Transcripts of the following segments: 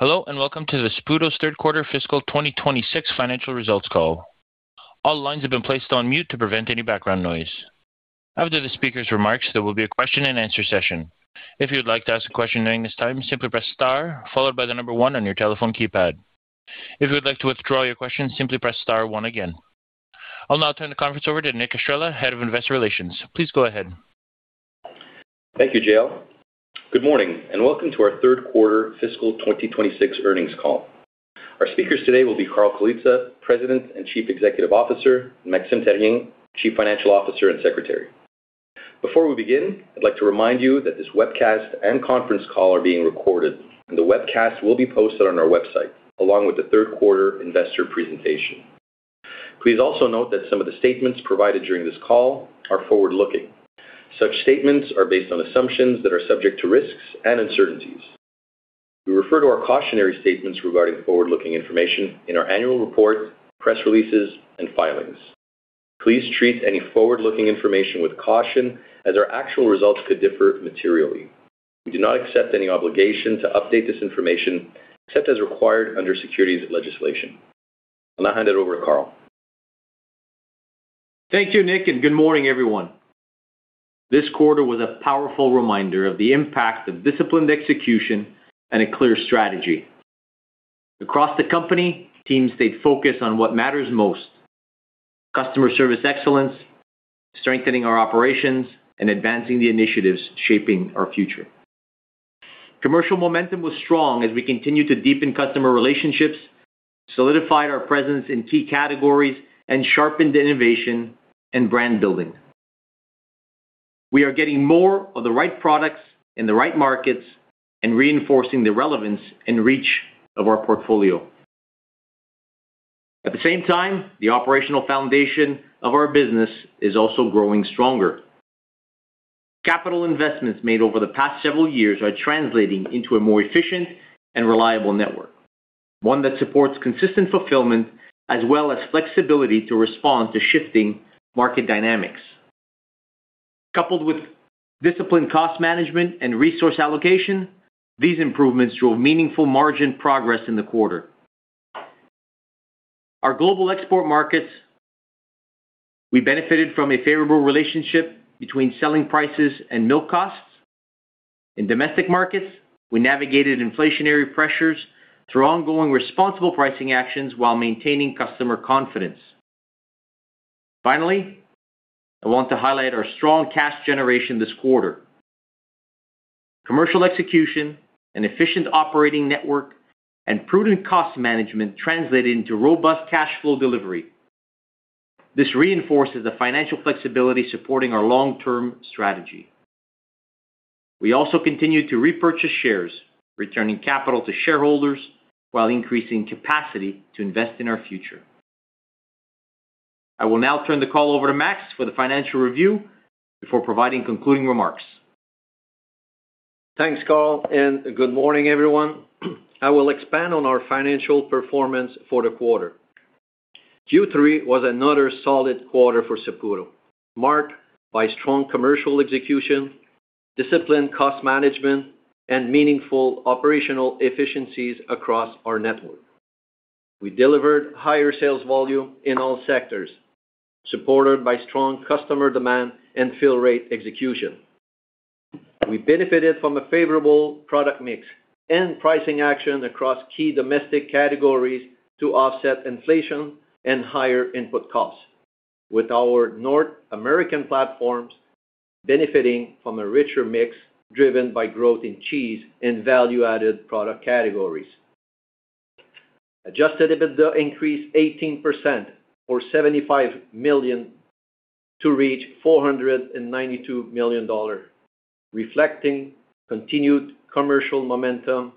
Hello and welcome to Saputo's third-quarter fiscal 2026 financial results call. All lines have been placed on mute to prevent any background noise. After the speaker's remarks, there will be a question-and-answer session. If you would like to ask a question during this time, simply press star followed by the number one on your telephone keypad. If you would like to withdraw your question, simply press star one again. I'll now turn the conference over to Nick Estrela, Head of Investor Relations. Please go ahead. Thank you, Jale. Good morning and welcome to our third-quarter fiscal 2026 earnings call. Our speakers today will be Carl Colizza, President and Chief Executive Officer, and Maxime Therrien, Chief Financial Officer and Secretary. Before we begin, I'd like to remind you that this webcast and conference call are being recorded, and the webcast will be posted on our website along with the third-quarter investor presentation. Please also note that some of the statements provided during this call are forward-looking. Such statements are based on assumptions that are subject to risks and uncertainties. We refer to our cautionary statements regarding forward-looking information in our annual reports, press releases, and filings. Please treat any forward-looking information with caution, as our actual results could differ materially. We do not accept any obligation to update this information except as required under securities legislation. I'll now hand it over to Carl. Thank you, Nick, and good morning, everyone. This quarter was a powerful reminder of the impact of disciplined execution and a clear strategy. Across the company, teams stayed focused on what matters most: customer service excellence, strengthening our operations, and advancing the initiatives shaping our future. Commercial momentum was strong as we continued to deepen customer relationships, solidified our presence in key categories, and sharpened innovation and brand building. We are getting more of the right products in the right markets and reinforcing the relevance and reach of our portfolio. At the same time, the operational foundation of our business is also growing stronger. Capital investments made over the past several years are translating into a more efficient and reliable network, one that supports consistent fulfillment as well as flexibility to respond to shifting market dynamics. Coupled with disciplined cost management and resource allocation, these improvements drove meaningful margin progress in the quarter. Our global export markets. We benefited from a favorable relationship between selling prices and milk costs. In domestic markets, we navigated inflationary pressures through ongoing responsible pricing actions while maintaining customer confidence. Finally, I want to highlight our strong cash generation this quarter. Commercial execution, an efficient operating network, and prudent cost management translated into robust cash flow delivery. This reinforces the financial flexibility supporting our long-term strategy. We also continue to repurchase shares, returning capital to shareholders while increasing capacity to invest in our future. I will now turn the call over to Max for the financial review before providing concluding remarks. Thanks, Carl, and good morning, everyone. I will expand on our financial performance for the quarter. Q3 was another solid quarter for Saputo, marked by strong commercial execution, disciplined cost management, and meaningful operational efficiencies across our network. We delivered higher sales volume in all sectors, supported by strong customer demand and fill-rate execution. We benefited from a favorable product mix and pricing action across key domestic categories to offset inflation and higher input costs, with our North American platforms benefiting from a richer mix driven by growth in cheese and value-added product categories. Adjusted EBITDA increased 18% or 75 million to reach 492 million dollars, reflecting continued commercial momentum,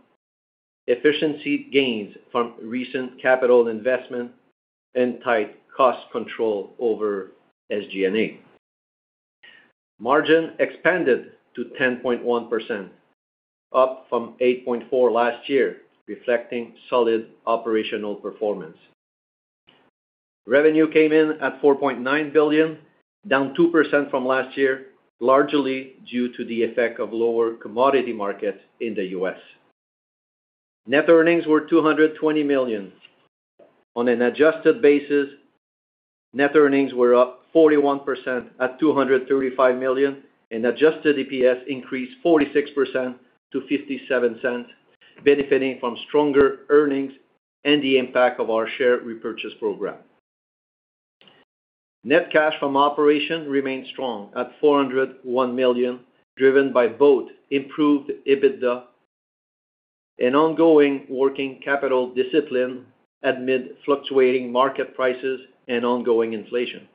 efficiency gains from recent capital investment, and tight cost control over SG&A. Margin expanded to 10.1%, up from 8.4% last year, reflecting solid operational performance. Revenue came in at 4.9 billion, down 2% from last year, largely due to the effect of lower commodity markets in the U.S. Net earnings were 220 million. On an adjusted basis, net earnings were up 41% at 235 million, and adjusted EPS increased 46% to 0.57, benefiting from stronger earnings and the impact of our share repurchase program. Net cash from operation remained strong at 401 million, driven by both improved EBITDA and ongoing working capital discipline amid fluctuating market prices and ongoing inflation.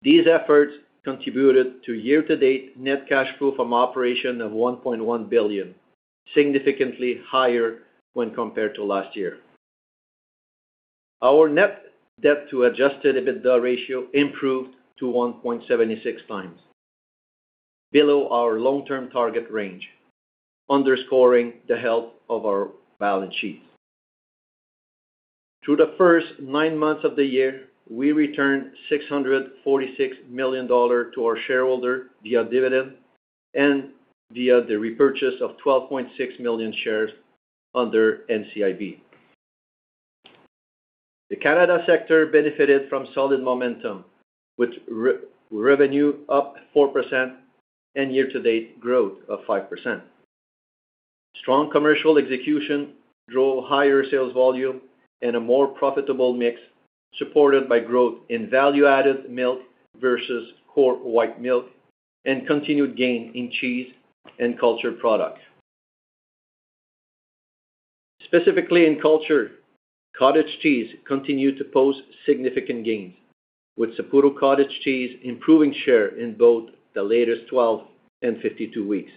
These efforts contributed to year-to-date net cash flow from operation of 1.1 billion, significantly higher when compared to last year. Our net debt-to-adjusted EBITDA ratio improved to 1.76x, below our long-term target range, underscoring the health of our balance sheet. Through the first nine months of the year, we returned 646 million dollars to our shareholder via dividend and via the repurchase of 12.6 million shares under NCIB. The Canada sector benefited from solid momentum, with revenue up 4% and year-to-date growth of 5%. Strong commercial execution drove higher sales volume and a more profitable mix, supported by growth in value-added milk versus core white milk and continued gain in cheese and cultured products. Specifically in cultured, cottage cheese continued to post significant gains, with Saputo Cottage Cheese improving share in both the latest 12 and 52 weeks.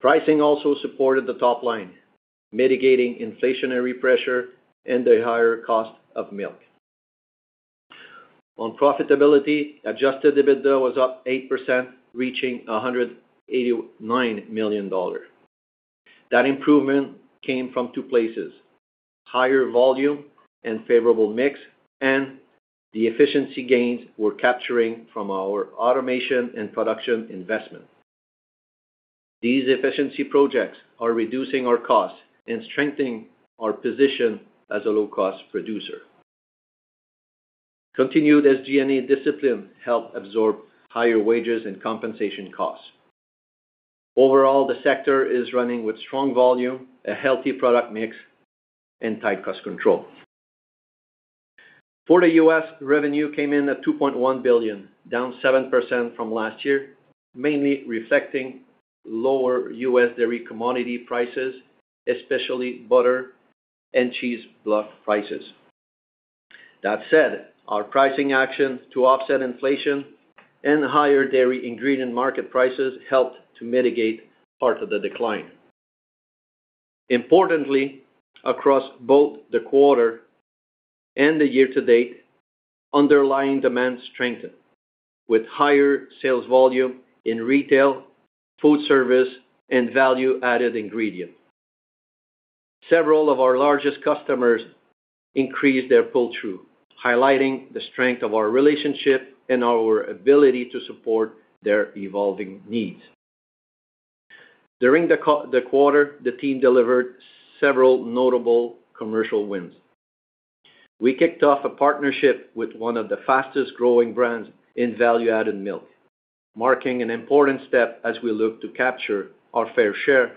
Pricing also supported the top line, mitigating inflationary pressure and the higher cost of milk. On profitability, adjusted EBITDA was up 8%, reaching 189 million dollars. That improvement came from two places: higher volume and favorable mix, and the efficiency gains we're capturing from our automation and production investment. These efficiency projects are reducing our costs and strengthening our position as a low-cost producer. Continued SG&A discipline helped absorb higher wages and compensation costs. Overall, the sector is running with strong volume, a healthy product mix, and tight cost control. For the U.S., revenue came in at $2.1 billion, down 7% from last year, mainly reflecting lower U.S. dairy commodity prices, especially butter and cheese block prices. That said, our pricing action to offset inflation and higher dairy ingredient market prices helped to mitigate part of the decline. Importantly, across both the quarter and the year-to-date, underlying demand strengthened, with higher sales volume in retail, food service, and value-added ingredient. Several of our largest customers increased their pull-through, highlighting the strength of our relationship and our ability to support their evolving needs. During the quarter, the team delivered several notable commercial wins. We kicked off a partnership with one of the fastest-growing brands in value-added milk, marking an important step as we look to capture our fair share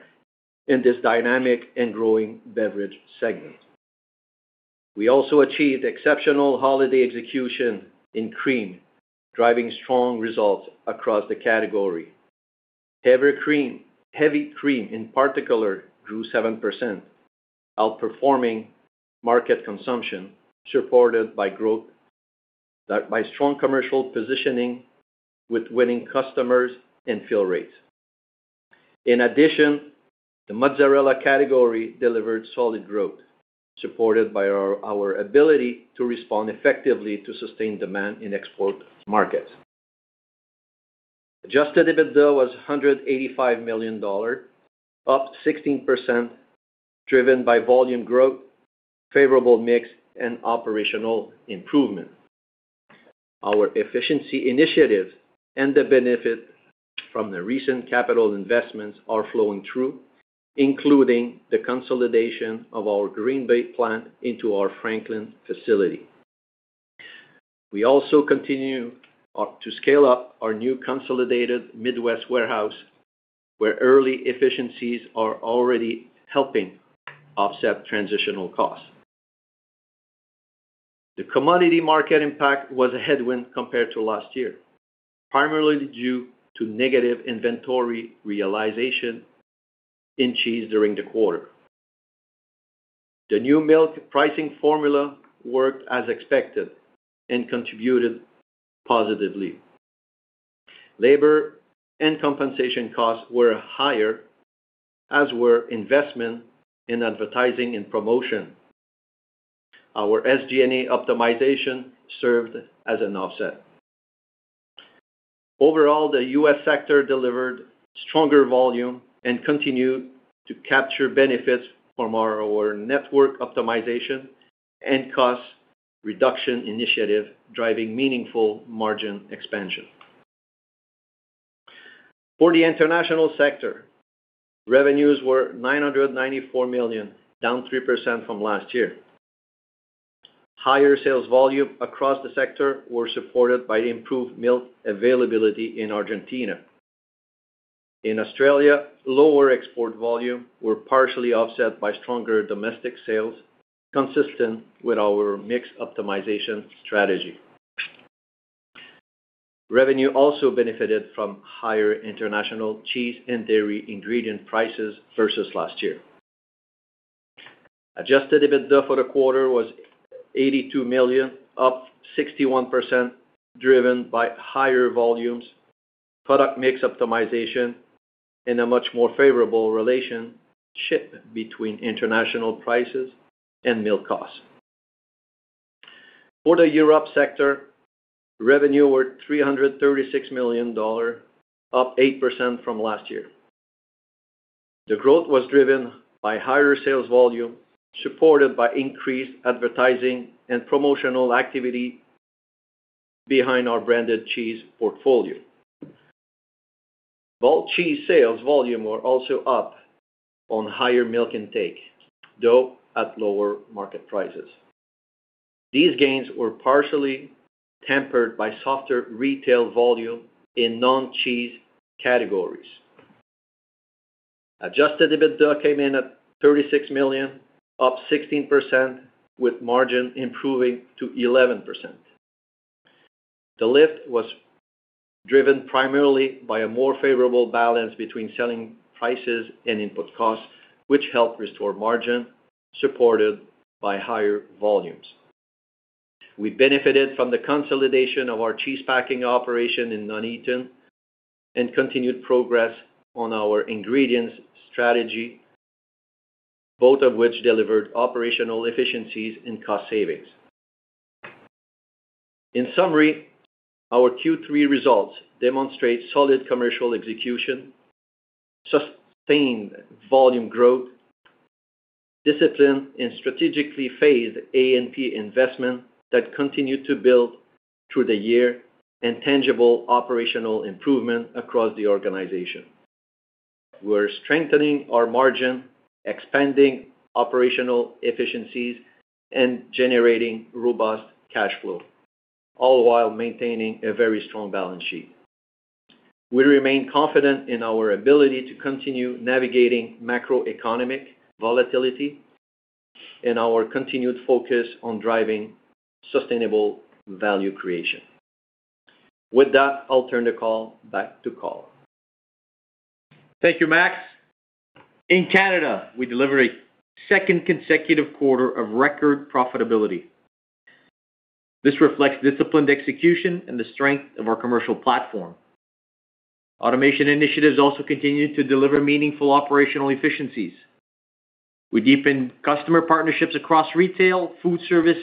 in this dynamic and growing beverage segment. We also achieved exceptional holiday execution in cream, driving strong results across the category. Heavy cream, in particular, grew 7%, outperforming market consumption, supported by strong commercial positioning with winning customers and fill rates. In addition, the mozzarella category delivered solid growth, supported by our ability to respond effectively to sustained demand in export markets. Adjusted EBITDA was 185 million dollar, up 16%, driven by volume growth, favorable mix, and operational improvement. Our efficiency initiatives and the benefit from the recent capital investments are flowing through, including the consolidation of our Green Bay plant into our Franklin facility. We also continue to scale up our new consolidated Midwest warehouse, where early efficiencies are already helping offset transitional costs. The commodity market impact was a headwind compared to last year, primarily due to negative inventory realization in cheese during the quarter. The new milk pricing formula worked as expected and contributed positively. Labor and compensation costs were higher, as were investment in advertising and promotion. Our SG&A optimization served as an offset. Overall, the U.S. sector delivered stronger volume and continued to capture benefits from our network optimization and cost reduction initiative, driving meaningful margin expansion. For the international sector, revenues were 994 million, down 3% from last year. Higher sales volume across the sector was supported by improved milk availability in Argentina. In Australia, lower export volume was partially offset by stronger domestic sales, consistent with our mix optimization strategy. Revenue also benefited from higher international cheese and dairy ingredient prices versus last year. Adjusted EBITDA for the quarter was 82 million, up 61%, driven by higher volumes, product mix optimization, and a much more favorable relationship between international prices and milk costs. For the Europe sector, revenue was 336 million dollar, up 8% from last year. The growth was driven by higher sales volume, supported by increased advertising and promotional activity behind our branded cheese portfolio. Whole cheese sales volume was also up on higher milk intake, though at lower market prices. These gains were partially tempered by softer retail volume in non-cheese categories. Adjusted EBITDA came in at 36 million, up 16%, with margin improving to 11%. The lift was driven primarily by a more favorable balance between selling prices and input costs, which helped restore margin, supported by higher volumes. We benefited from the consolidation of our cheese packing operation in Nuneaton and continued progress on our ingredients strategy, both of which delivered operational efficiencies and cost savings. In summary, our Q3 results demonstrate solid commercial execution, sustained volume growth, discipline in strategically phased A&P investment that continued to build through the year, and tangible operational improvement across the organization. We're strengthening our margin, expanding operational efficiencies, and generating robust cash flow, all while maintaining a very strong balance sheet. We remain confident in our ability to continue navigating macroeconomic volatility and our continued focus on driving sustainable value creation. With that, I'll turn the call back to Carl. Thank you, Max. In Canada, we delivered a second consecutive quarter of record profitability. This reflects disciplined execution and the strength of our commercial platform. Automation initiatives also continue to deliver meaningful operational efficiencies. We deepened customer partnerships across retail, food service,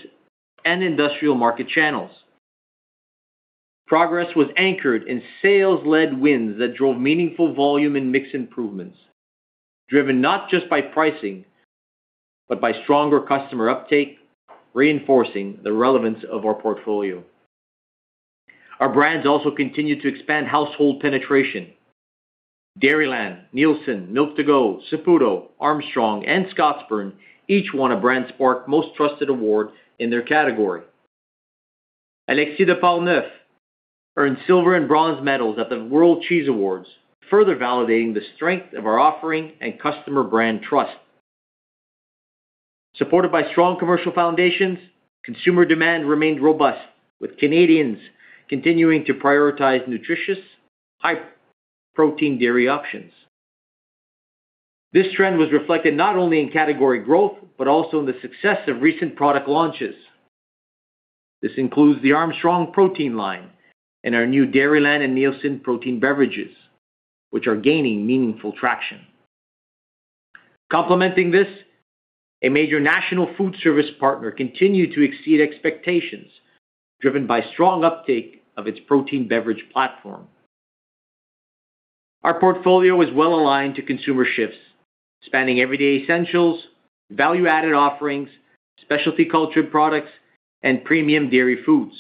and industrial market channels. Progress was anchored in sales-led wins that drove meaningful volume and mix improvements, driven not just by pricing but by stronger customer uptake, reinforcing the relevance of our portfolio. Our brands also continue to expand household penetration: Dairyland, Neilson, Milk2Go, Saputo, Armstrong, and Scottsburn, each one a BrandSpark most trusted award in their category. Alexis de Portneuf earned silver and bronze medals at the World Cheese Awards, further validating the strength of our offering and customer brand trust. Supported by strong commercial foundations, consumer demand remained robust, with Canadians continuing to prioritize nutritious, high-protein dairy options. This trend was reflected not only in category growth but also in the success of recent product launches. This includes the Armstrong protein line and our new Dairyland and Neilson protein beverages, which are gaining meaningful traction. Complementing this, a major national food service partner continued to exceed expectations, driven by strong uptake of its protein beverage platform. Our portfolio is well aligned to consumer shifts, spanning everyday essentials, value-added offerings, specialty cultured products, and premium dairy foods,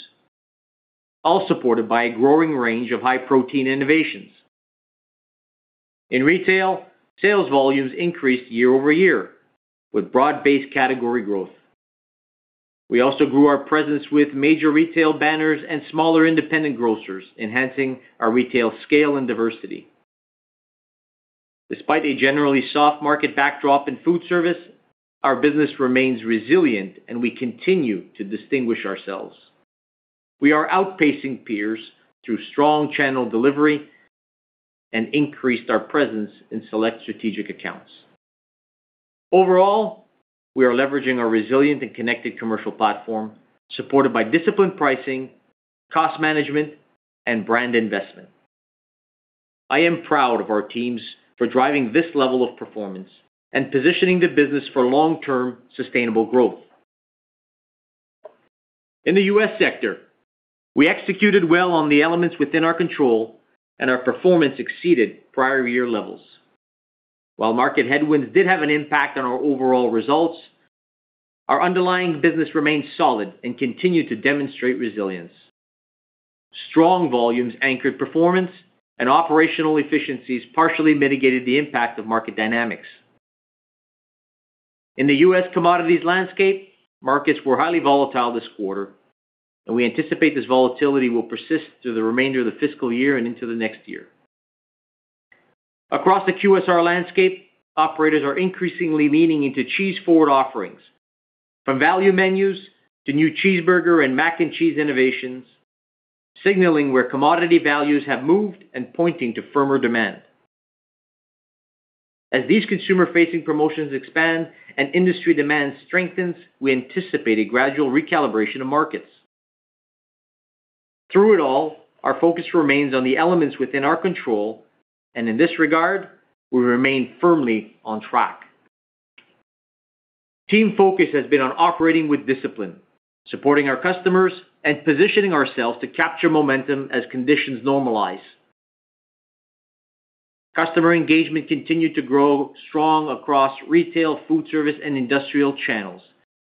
all supported by a growing range of high-protein innovations. In retail, sales volumes increased year-over-year, with broad-based category growth. We also grew our presence with major retail banners and smaller independent grocers, enhancing our retail scale and diversity. Despite a generally soft market backdrop in food service, our business remains resilient, and we continue to distinguish ourselves. We are outpacing peers through strong channel delivery and increased our presence in select strategic accounts. Overall, we are leveraging our resilient and connected commercial platform, supported by disciplined pricing, cost management, and brand investment. I am proud of our teams for driving this level of performance and positioning the business for long-term sustainable growth. In the U.S. sector, we executed well on the elements within our control, and our performance exceeded prior year levels. While market headwinds did have an impact on our overall results, our underlying business remained solid and continued to demonstrate resilience. Strong volumes anchored performance, and operational efficiencies partially mitigated the impact of market dynamics. In the U.S. commodities landscape, markets were highly volatile this quarter, and we anticipate this volatility will persist through the remainder of the fiscal year and into the next year. Across the QSR landscape, operators are increasingly leaning into cheese-forward offerings, from value menus to new cheeseburger and mac and cheese innovations, signaling where commodity values have moved and pointing to firmer demand. As these consumer-facing promotions expand and industry demand strengthens, we anticipate a gradual recalibration of markets. Through it all, our focus remains on the elements within our control, and in this regard, we remain firmly on track. Team focus has been on operating with discipline, supporting our customers, and positioning ourselves to capture momentum as conditions normalize. Customer engagement continued to grow strong across retail, food service, and industrial channels,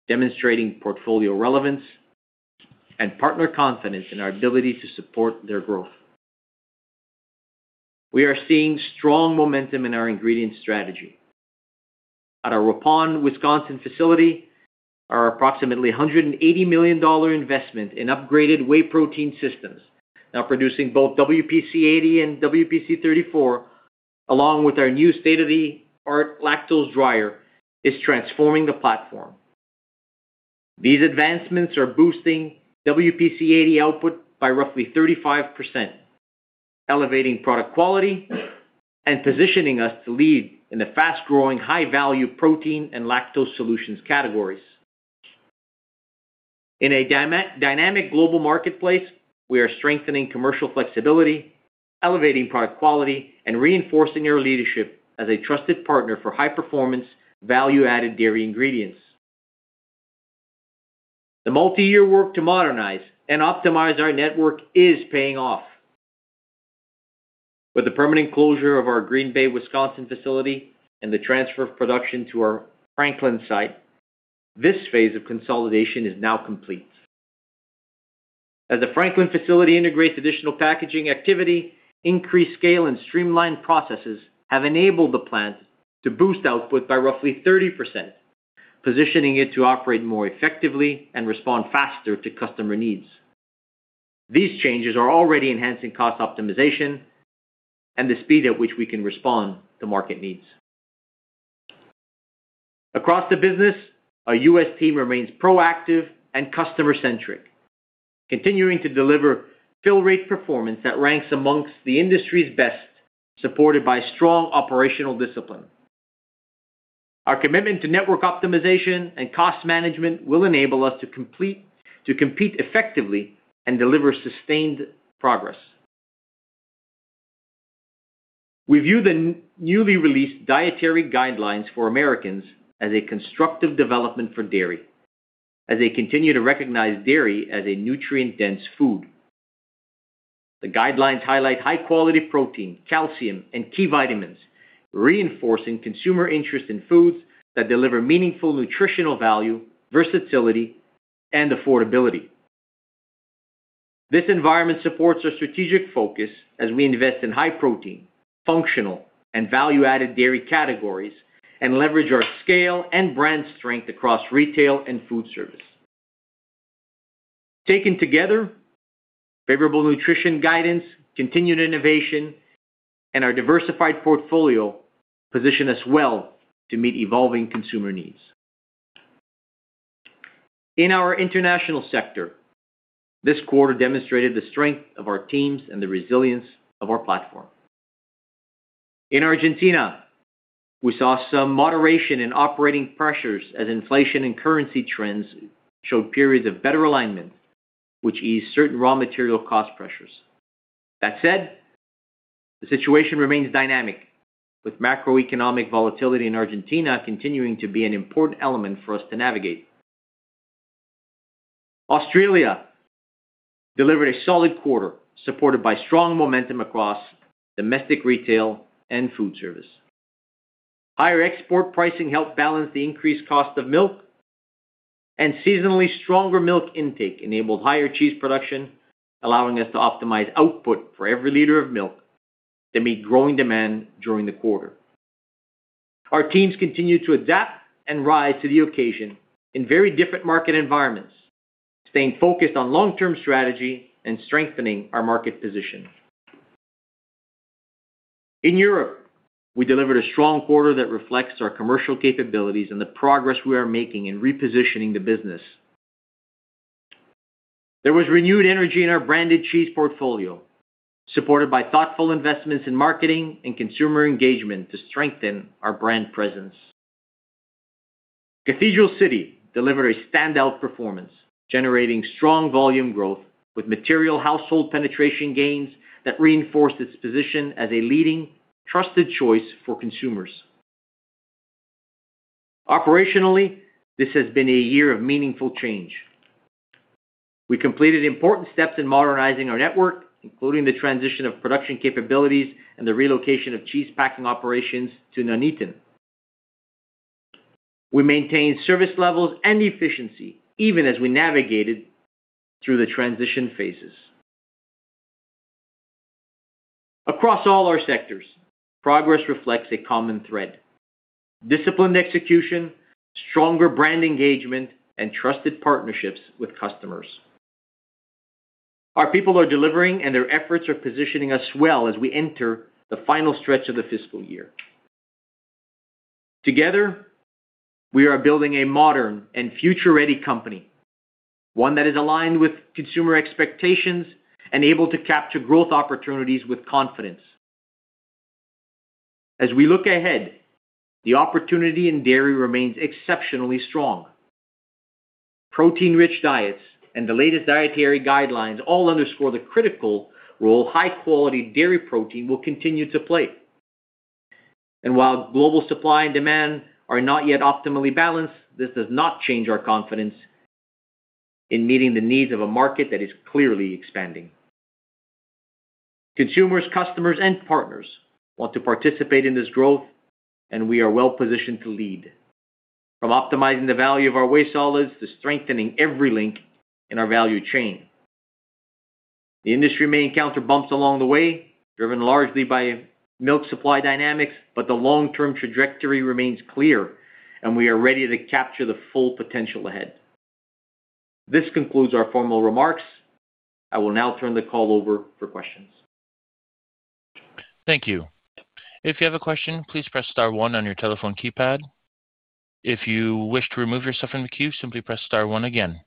demonstrating portfolio relevance and partner confidence in our ability to support their growth. We are seeing strong momentum in our ingredient strategy. At our Ripon, Wisconsin facility, our approximately $180 million investment in upgraded whey protein systems, now producing both WPC-80 and WPC-34, along with our new state-of-the-art lactose dryer, is transforming the platform. These advancements are boosting WPC-80 output by roughly 35%, elevating product quality, and positioning us to lead in the fast-growing, high-value protein and lactose solutions categories. In a dynamic global marketplace, we are strengthening commercial flexibility, elevating product quality, and reinforcing our leadership as a trusted partner for high-performance, value-added dairy ingredients. The multi-year work to modernize and optimize our network is paying off. With the permanent closure of our Green Bay, Wisconsin facility and the transfer of production to our Franklin site, this phase of consolidation is now complete. As the Franklin facility integrates additional packaging activity, increased scale, and streamlined processes have enabled the plant to boost output by roughly 30%, positioning it to operate more effectively and respond faster to customer needs. These changes are already enhancing cost optimization and the speed at which we can respond to market needs. Across the business, our U.S. team remains proactive and customer-centric, continuing to deliver fill-rate performance that ranks among the industry's best, supported by strong operational discipline. Our commitment to network optimization and cost management will enable us to compete effectively and deliver sustained progress. We view the newly released Dietary Guidelines for Americans as a constructive development for dairy, as they continue to recognize dairy as a nutrient-dense food. The guidelines highlight high-quality protein, calcium, and key vitamins, reinforcing consumer interest in foods that deliver meaningful nutritional value, versatility, and affordability. This environment supports our strategic focus as we invest in high-protein, functional, and value-added dairy categories and leverage our scale and brand strength across retail and food service. Taken together, favorable nutrition guidance, continued innovation, and our diversified portfolio position us well to meet evolving consumer needs. In our international sector, this quarter demonstrated the strength of our teams and the resilience of our platform. In Argentina, we saw some moderation in operating pressures as inflation and currency trends showed periods of better alignment, which eased certain raw material cost pressures. That said, the situation remains dynamic, with macroeconomic volatility in Argentina continuing to be an important element for us to navigate. Australia delivered a solid quarter, supported by strong momentum across domestic retail and food service. Higher export pricing helped balance the increased cost of milk, and seasonally stronger milk intake enabled higher cheese production, allowing us to optimize output for every liter of milk to meet growing demand during the quarter. Our teams continue to adapt and rise to the occasion in very different market environments, staying focused on long-term strategy and strengthening our market position. In Europe, we delivered a strong quarter that reflects our commercial capabilities and the progress we are making in repositioning the business. There was renewed energy in our branded cheese portfolio, supported by thoughtful investments in marketing and consumer engagement to strengthen our brand presence. Cathedral City delivered a standout performance, generating strong volume growth with material household penetration gains that reinforced its position as a leading, trusted choice for consumers. Operationally, this has been a year of meaningful change. We completed important steps in modernizing our network, including the transition of production capabilities and the relocation of cheese packing operations to Nuneaton. We maintained service levels and efficiency even as we navigated through the transition phases. Across all our sectors, progress reflects a common thread: disciplined execution, stronger brand engagement, and trusted partnerships with customers. Our people are delivering, and their efforts are positioning us well as we enter the final stretch of the fiscal year. Together, we are building a modern and future-ready company, one that is aligned with consumer expectations and able to capture growth opportunities with confidence. As we look ahead, the opportunity in dairy remains exceptionally strong. Protein-rich diets and the latest dietary guidelines all underscore the critical role high-quality dairy protein will continue to play. While global supply and demand are not yet optimally balanced, this does not change our confidence in meeting the needs of a market that is clearly expanding. Consumers, customers, and partners want to participate in this growth, and we are well positioned to lead, from optimizing the value of our whey solids to strengthening every link in our value chain. The industry may encounter bumps along the way, driven largely by milk supply dynamics, but the long-term trajectory remains clear, and we are ready to capture the full potential ahead. This concludes our formal remarks. I will now turn the call over for questions. Thank you. If you have a question, please press star one on your telephone keypad. If you wish to remove yourself from the queue, simply press star one again.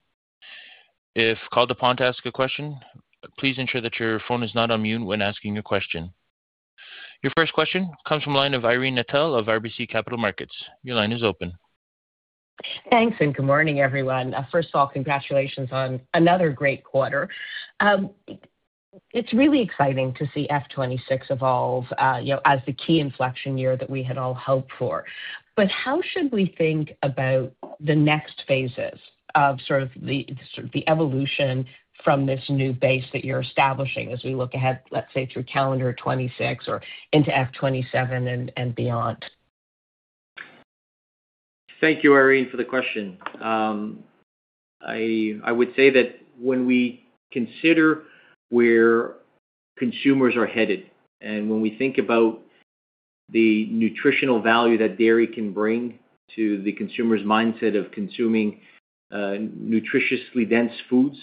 If called upon to ask a question, please ensure that your phone is not unmuted when asking your question. Your first question comes from the line of Irene Nattel of RBC Capital Markets. Your line is open. Thanks, and good morning, everyone. First of all, congratulations on another great quarter. It's really exciting to see F 2026 evolve as the key inflection year that we had all hoped for. But how should we think about the next phases of sort of the evolution from this new base that you're establishing as we look ahead, let's say, through calendar 2026 or into F 2027 and beyond? Thank you, Irene, for the question. I would say that when we consider where consumers are headed and when we think about the nutritional value that dairy can bring to the consumer's mindset of consuming nutritiously dense foods,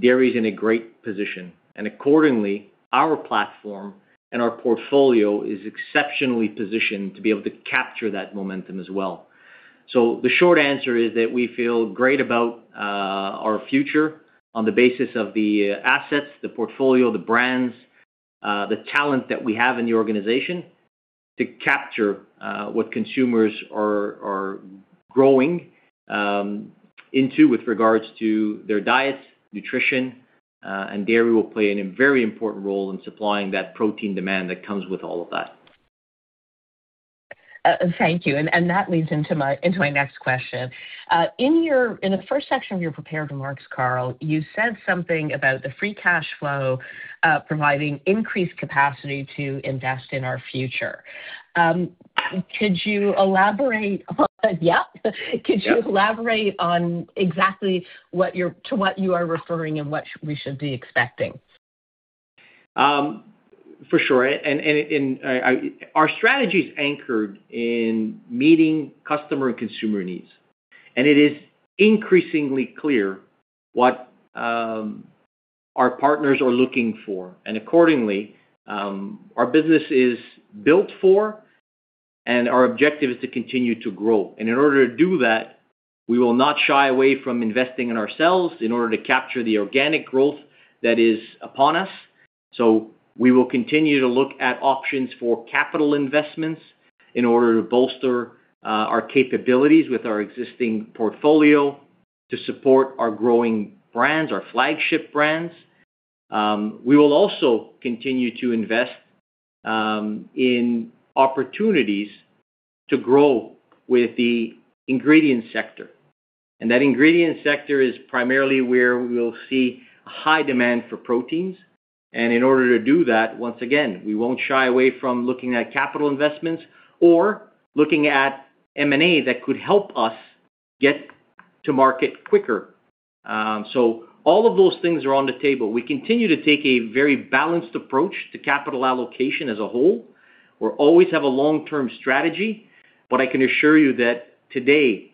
dairy is in a great position. Accordingly, our platform and our portfolio is exceptionally positioned to be able to capture that momentum as well. The short answer is that we feel great about our future on the basis of the assets, the portfolio, the brands, the talent that we have in the organization to capture what consumers are growing into with regards to their diets, nutrition. Dairy will play a very important role in supplying that protein demand that comes with all of that. Thank you. That leads into my next question. In the first section of your prepared remarks, Carl, you said something about the free cash flow providing increased capacity to invest in our future. Could you elaborate on exactly to what you are referring and what we should be expecting? For sure. Our strategy is anchored in meeting customer and consumer needs. It is increasingly clear what our partners are looking for. Accordingly, our business is built for, and our objective is to continue to grow. In order to do that, we will not shy away from investing in ourselves in order to capture the organic growth that is upon us. So we will continue to look at options for capital investments in order to bolster our capabilities with our existing portfolio to support our growing brands, our flagship brands. We will also continue to invest in opportunities to grow with the ingredient sector. That ingredient sector is primarily where we will see high demand for proteins. In order to do that, once again, we won't shy away from looking at capital investments or looking at M&A that could help us get to market quicker. All of those things are on the table. We continue to take a very balanced approach to capital allocation as a whole. We always have a long-term strategy. I can assure you that today,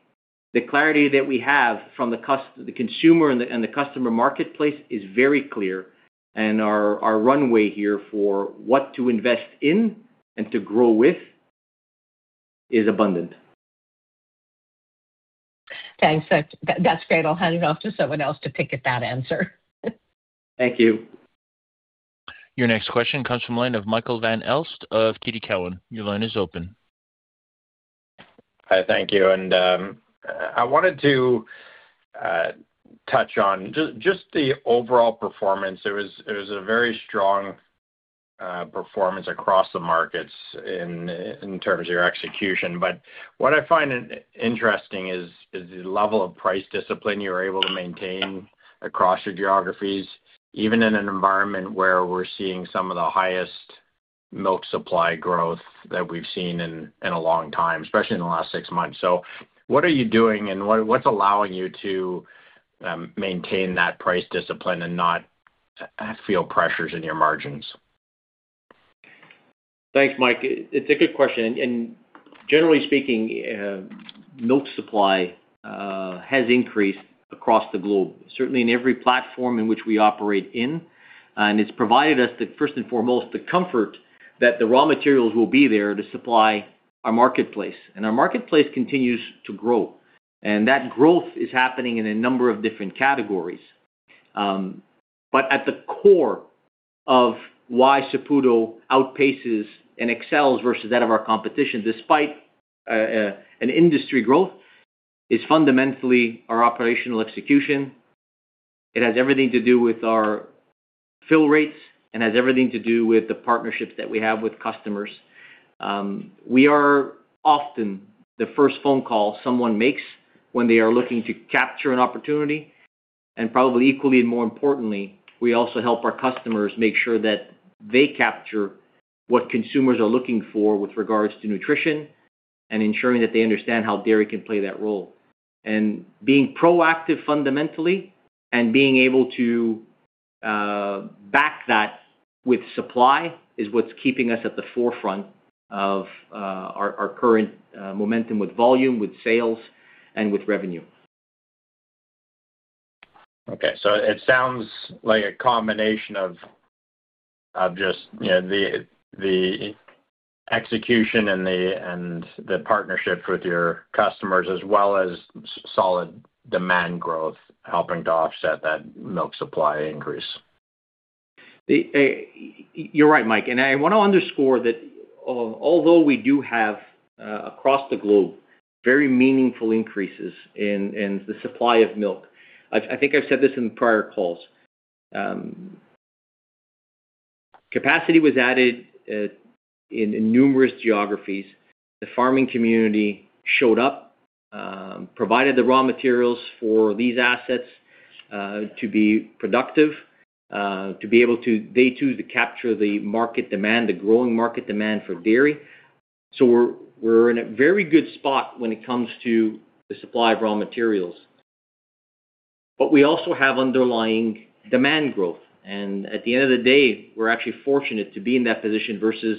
the clarity that we have from the consumer and the customer marketplace is very clear. Our runway here for what to invest in and to grow with is abundant. Thanks. That's great. I'll hand it off to someone else to pick at that answer. Thank you. Your next question comes from the line of Michael Van Aelst of TD Cowen. Your line is open. Hi. Thank you. I wanted to touch on just the overall performance. It was a very strong performance across the markets in terms of your execution. But what I find interesting is the level of price discipline you were able to maintain across your geographies, even in an environment where we're seeing some of the highest milk supply growth that we've seen in a long time, especially in the last six months. So what are you doing, and what's allowing you to maintain that price discipline and not feel pressures in your margins? Thanks, Mike. It's a good question. Generally speaking, milk supply has increased across the globe, certainly in every platform in which we operate in. It's provided us, first and foremost, the comfort that the raw materials will be there to supply our marketplace. Our marketplace continues to grow. That growth is happening in a number of different categories. But at the core of why Saputo outpaces and excels versus that of our competition, despite an industry growth, is fundamentally our operational execution. It has everything to do with our fill rates and has everything to do with the partnerships that we have with customers. We are often the first phone call someone makes when they are looking to capture an opportunity. Probably equally and more importantly, we also help our customers make sure that they capture what consumers are looking for with regards to nutrition and ensuring that they understand how dairy can play that role. Being proactive fundamentally and being able to back that with supply is what's keeping us at the forefront of our current momentum with volume, with sales, and with revenue. Okay. So it sounds like a combination of just the execution and the partnership with your customers as well as solid demand growth helping to offset that milk supply increase. You're right, Mike. I want to underscore that although we do have across the globe very meaningful increases in the supply of milk - I think I've said this in prior calls - capacity was added in numerous geographies. The farming community showed up, provided the raw materials for these assets to be productive, to be able to capture the growing market demand for dairy. We're in a very good spot when it comes to the supply of raw materials. But we also have underlying demand growth. At the end of the day, we're actually fortunate to be in that position versus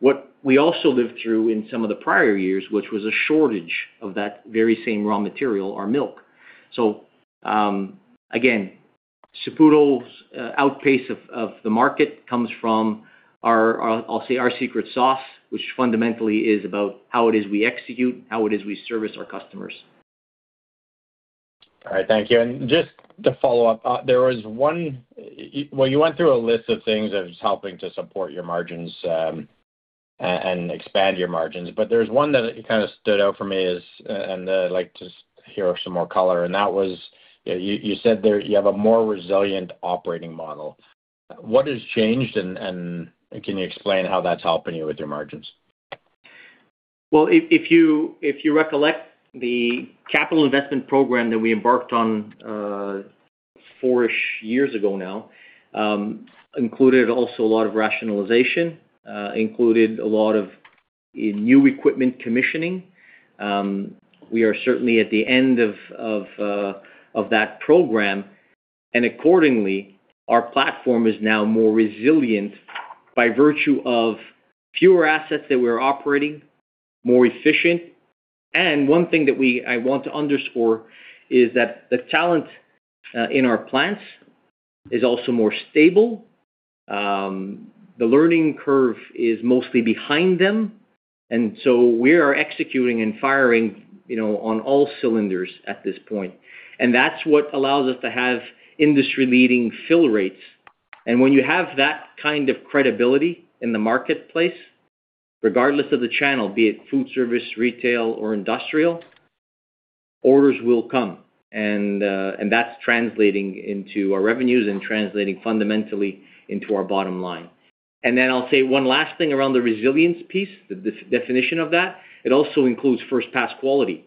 what we also lived through in some of the prior years, which was a shortage of that very same raw material, our milk. Again, Saputo's outpacing of the market comes from, I'll say, our secret sauce, which fundamentally is about how it is we execute, how it is we service our customers. All right. Thank you. Just to follow up, there was one you went through a list of things of helping to support your margins and expand your margins. But there's one that kind of stood out for me, and I'd like to hear some more color. And that was, you said, you have a more resilient operating model. What has changed, and can you explain how that's helping you with your margins? Well, if you recollect, the capital investment program that we embarked on four-ish years ago now included also a lot of rationalization, included a lot of new equipment commissioning. We are certainly at the end of that program. Accordingly, our platform is now more resilient by virtue of fewer assets that we're operating, more efficient. One thing that I want to underscore is that the talent in our plants is also more stable. The learning curve is mostly behind them. So we are executing and firing on all cylinders at this point. That's what allows us to have industry-leading fill rates. When you have that kind of credibility in the marketplace, regardless of the channel, be it food service, retail, or industrial, orders will come. That's translating into our revenues and translating fundamentally into our bottom line. And then I'll say one last thing around the resilience piece, the definition of that. It also includes first-pass quality.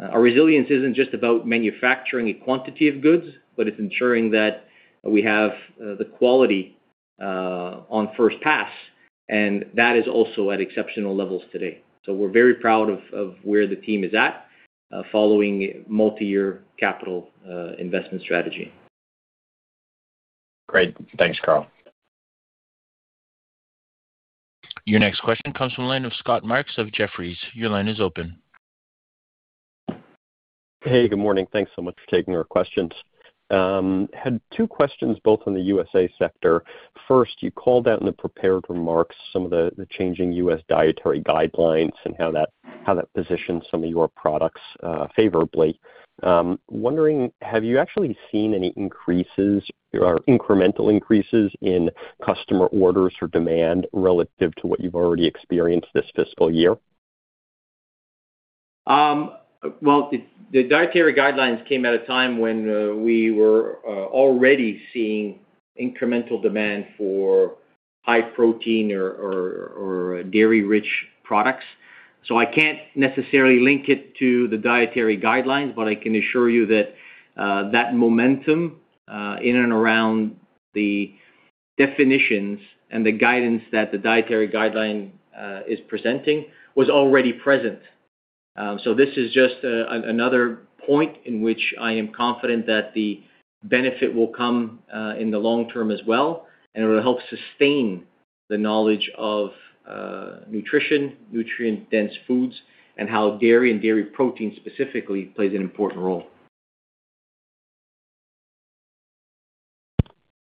Our resilience isn't just about manufacturing a quantity of goods, but it's ensuring that we have the quality on first pass. And that is also at exceptional levels today. So we're very proud of where the team is at following multi-year capital investment strategy. Great. Thanks, Carl. Your next question comes from the line of Scott Marks of Jefferies. Your line is open. Hey. Good morning. Thanks so much for taking our questions. I had two questions both on the USA sector. First, you called out in the prepared remarks some of the changing U.S. dietary guidelines and how that positions some of your products favorably. Wondering, have you actually seen any increases or incremental increases in customer orders or demand relative to what you've already experienced this fiscal year? Well, the Dietary Guidelines came at a time when we were already seeing incremental demand for high-protein or dairy-rich products. So I can't necessarily link it to the Dietary Guidelines, but I can assure you that that momentum in and around the definitions and the guidance that the Dietary Guideline is presenting was already present. So this is just another point in which I am confident that the benefit will come in the long term as well. And it will help sustain the knowledge of nutrition, nutrient-dense foods, and how dairy and dairy protein specifically plays an important role.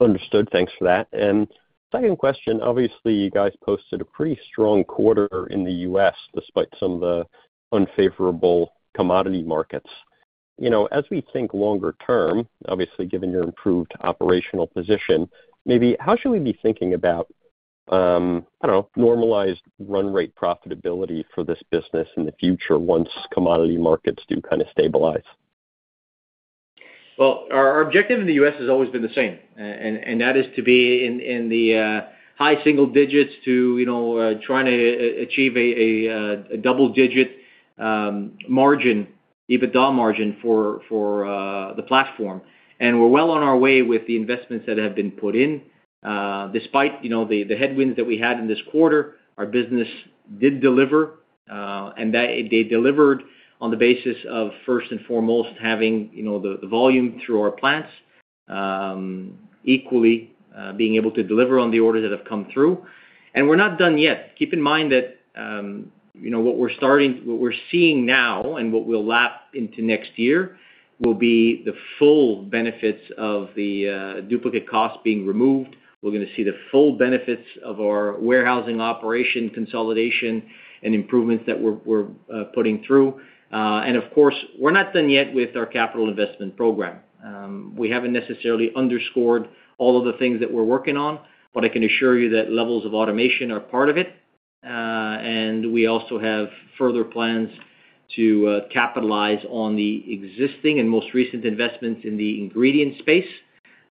Understood. Thanks for that. And second question, obviously, you guys posted a pretty strong quarter in the U.S. despite some of the unfavorable commodity markets. As we think longer term, obviously, given your improved operational position, maybe how should we be thinking about, I don't know, normalized run-rate profitability for this business in the future once commodity markets do kind of stabilize? Well, our objective in the U.S. has always been the same. That is to be in the high single digits to trying to achieve a double-digit EBITDA margin for the platform. We're well on our way with the investments that have been put in. Despite the headwinds that we had in this quarter, our business did deliver. They delivered on the basis of, first and foremost, having the volume through our plants, equally being able to deliver on the orders that have come through. We're not done yet. Keep in mind that what we're seeing now and what will lap into next year will be the full benefits of the duplicate costs being removed. We're going to see the full benefits of our warehousing operation, consolidation, and improvements that we're putting through. Of course, we're not done yet with our capital investment program. We haven't necessarily underscored all of the things that we're working on. But I can assure you that levels of automation are part of it. We also have further plans to capitalize on the existing and most recent investments in the ingredient space.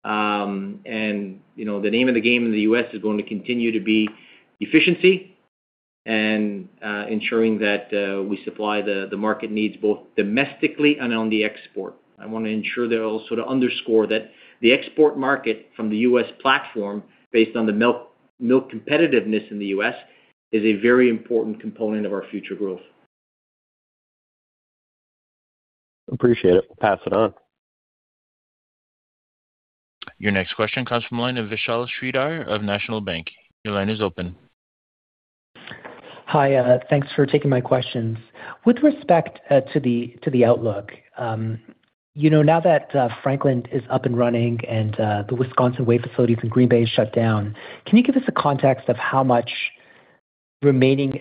The name of the game in the U.S. is going to continue to be efficiency and ensuring that we supply the market needs both domestically and on the export. I want to ensure that also to underscore that the export market from the U.S. platform, based on the milk competitiveness in the U.S., is a very important component of our future growth. Appreciate it. We'll pass it on. Your next question comes from the line of Vishal Shreedhar of National Bank. Your line is open. Hi. Thanks for taking my questions. With respect to the outlook, now that Franklin is up and running and the Wisconsin facilities in Green Bay is shut down, can you give us a context of how much remaining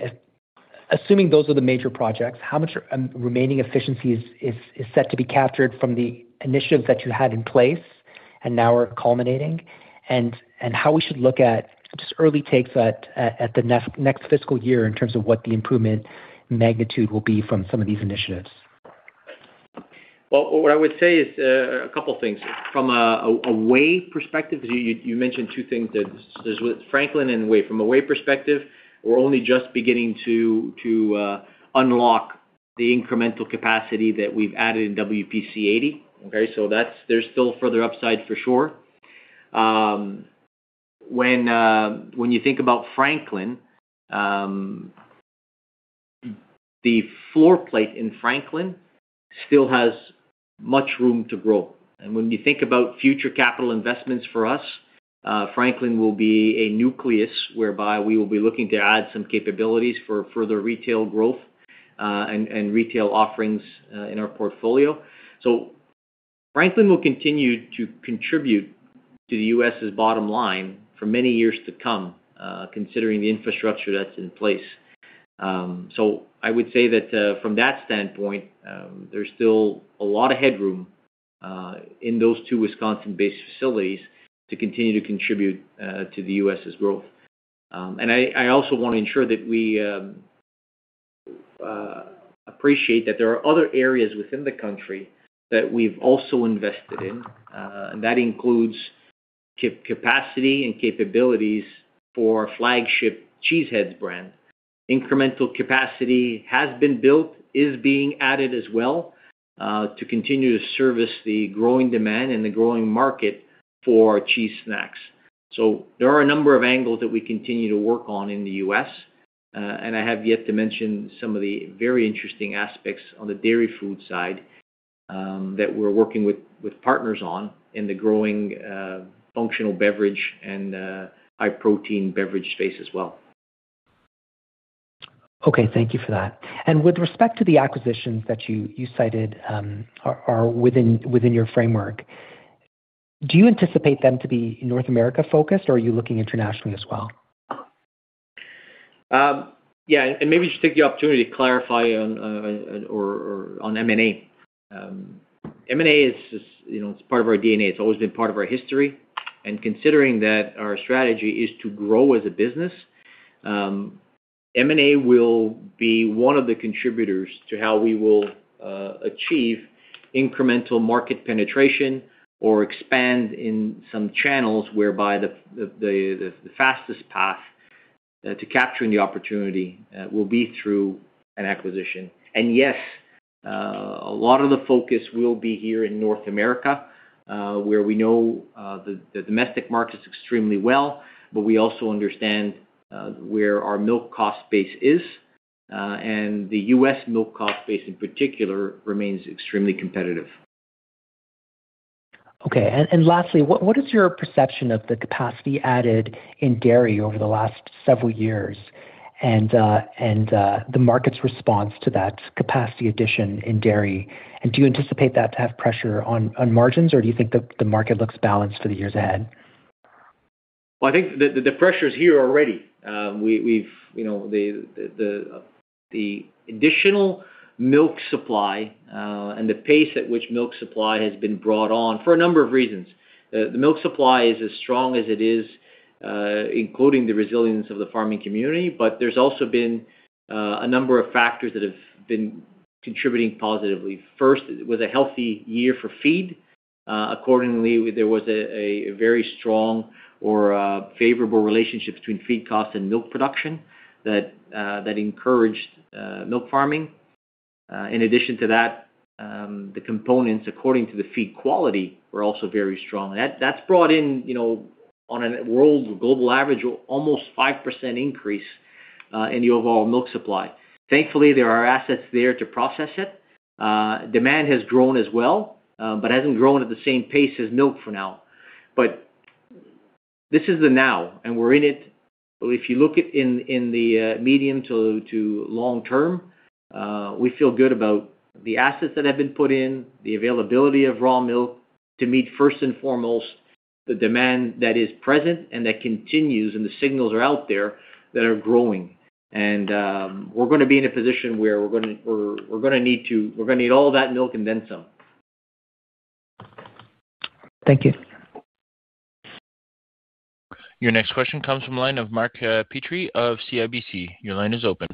assuming those are the major projects, how much remaining efficiency is set to be captured from the initiatives that you had in place and now are culminating, and how we should look at just early takes at the next fiscal year in terms of what the improvement magnitude will be from some of these initiatives? Well, what I would say is a couple of things. From a whey perspective because you mentioned two things there. There's Franklin and whey. From a whey perspective, we're only just beginning to unlock the incremental capacity that we've added in WPC-80. Okay? So there's still further upside for sure. When you think about Franklin, the footprint in Franklin still has much room to grow. And when you think about future capital investments for us, Franklin will be a nucleus whereby we will be looking to add some capabilities for further retail growth and retail offerings in our portfolio. So Franklin will continue to contribute to the U.S.'s bottom line for many years to come considering the infrastructure that's in place. So I would say that from that standpoint, there's still a lot of headroom in those two Wisconsin-based facilities to continue to contribute to the U.S.'s growth. I also want to ensure that we appreciate that there are other areas within the country that we've also invested in. That includes capacity and capabilities for our flagship Cheese Heads brand. Incremental capacity has been built, is being added as well to continue to service the growing demand and the growing market for cheese snacks. There are a number of angles that we continue to work on in the U.S. I have yet to mention some of the very interesting aspects on the Dairy Foods side that we're working with partners on in the growing functional beverage and high-protein beverage space as well. Okay. Thank you for that. With respect to the acquisitions that you cited are within your framework, do you anticipate them to be North America-focused, or are you looking internationally as well? Yeah. Maybe just take the opportunity to clarify on M&A. M&A, it's part of our DNA. It's always been part of our history. Considering that our strategy is to grow as a business, M&A will be one of the contributors to how we will achieve incremental market penetration or expand in some channels whereby the fastest path to capturing the opportunity will be through an acquisition. Yes, a lot of the focus will be here in North America where we know the domestic market's extremely well. But we also understand where our milk cost base is. The U.S. milk cost base in particular remains extremely competitive. Okay. And lastly, what is your perception of the capacity added in dairy over the last several years and the market's response to that capacity addition in dairy? And do you anticipate that to have pressure on margins, or do you think the market looks balanced for the years ahead? Well, I think the pressure's here already. The additional milk supply and the pace at which milk supply has been brought on for a number of reasons. The milk supply is as strong as it is, including the resilience of the farming community. But there's also been a number of factors that have been contributing positively. First, it was a healthy year for feed. Accordingly, there was a very strong or favorable relationship between feed costs and milk production that encouraged milk farming. In addition to that, the components according to the feed quality were also very strong. And that's brought in, on a global average, almost 5% increase in the overall milk supply. Thankfully, there are assets there to process it. Demand has grown as well but hasn't grown at the same pace as milk for now. But this is the now, and we're in it. But if you look at in the medium to long term, we feel good about the assets that have been put in, the availability of raw milk to meet, first and foremost, the demand that is present and that continues, and the signals are out there that are growing. And we're going to be in a position where we're going to need all that milk and then some. Thank you. Your next question comes from the line of Mark Petrie of CIBC. Your line is open.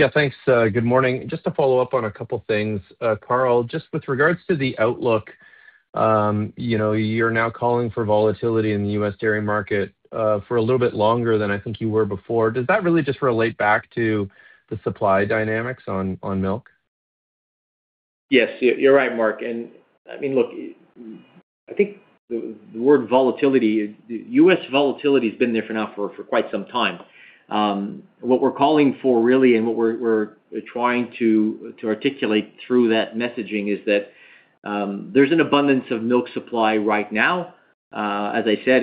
Yeah. Thanks. Good morning. Just to follow up on a couple of things, Carl, just with regards to the outlook, you're now calling for volatility in the U.S. dairy market for a little bit longer than I think you were before. Does that really just relate back to the supply dynamics on milk? Yes. You're right, Mark. I mean, look, I think the word volatility U.S. volatility has been there for now for quite some time. What we're calling for really and what we're trying to articulate through that messaging is that there's an abundance of milk supply right now. As I said,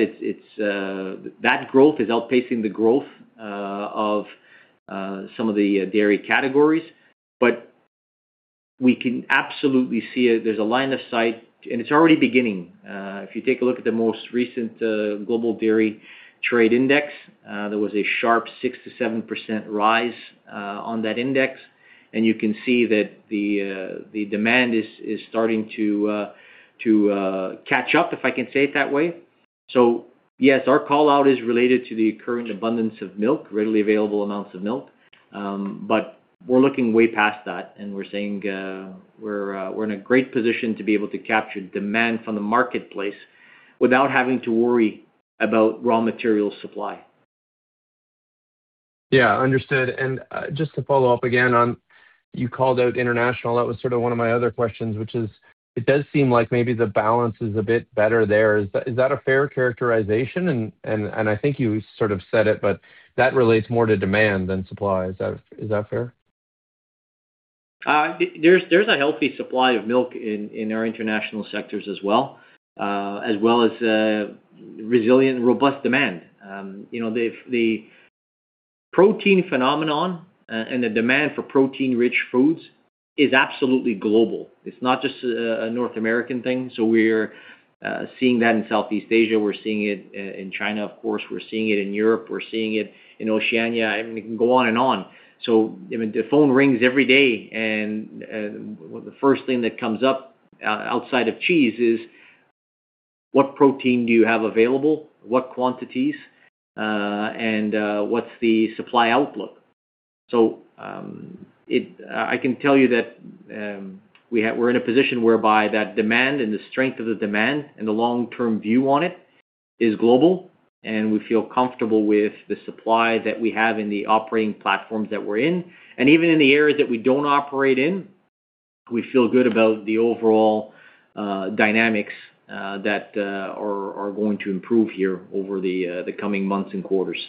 that growth is outpacing the growth of some of the dairy categories. But we can absolutely see it. There's a line of sight, and it's already beginning. If you take a look at the most recent Global Dairy Trade index, there was a sharp 6%-7% rise on that index. You can see that the demand is starting to catch up, if I can say it that way. So yes, our callout is related to the current abundance of milk, readily available amounts of milk. But we're looking way past that, and we're saying we're in a great position to be able to capture demand from the marketplace without having to worry about raw material supply. Yeah. Understood. And just to follow up again on you called out international, that was sort of one of my other questions, which is it does seem like maybe the balance is a bit better there. Is that a fair characterization? And I think you sort of said it, but that relates more to demand than supply. Is that fair? There's a healthy supply of milk in our international sectors as well, as well as resilient and robust demand. The protein phenomenon and the demand for protein-rich foods is absolutely global. It's not just a North American thing. So we're seeing that in Southeast Asia. We're seeing it in China, of course. We're seeing it in Europe. We're seeing it in Oceania. I mean, it can go on and on. So I mean, the phone rings every day, and the first thing that comes up outside of cheese is, "What protein do you have available? What quantities? And what's the supply outlook?" So I can tell you that we're in a position whereby that demand and the strength of the demand and the long-term view on it is global. We feel comfortable with the supply that we have in the operating platforms that we're in. Even in the areas that we don't operate in, we feel good about the overall dynamics that are going to improve here over the coming months and quarters.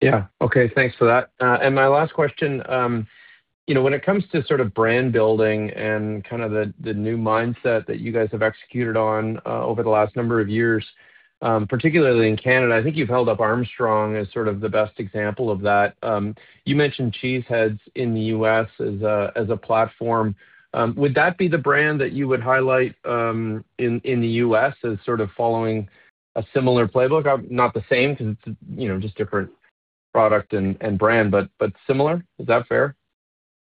Yeah. Okay. Thanks for that. My last question, when it comes to sort of brand building and kind of the new mindset that you guys have executed on over the last number of years, particularly in Canada, I think you've held up Armstrong as sort of the best example of that. You mentioned Cheese Heads in the U.S. as a platform. Would that be the brand that you would highlight in the U.S. as sort of following a similar playbook? Not the same because it's just a different product and brand, but similar. Is that fair?